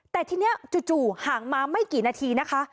แต่ทีนี้จู่ห่างมาไม่กี่นาทีนะคะ